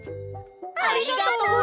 ありがとう！